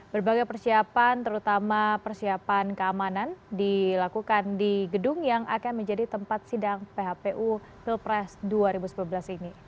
berbagai persiapan terutama persiapan keamanan dilakukan di gedung yang akan menjadi tempat sidang phpu pilpres dua ribu sembilan belas ini